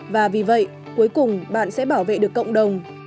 và vì vậy cuối cùng bạn sẽ bảo vệ được cộng đồng